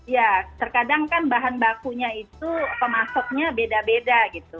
ya terkadang kan bahan bakunya itu pemasoknya beda beda gitu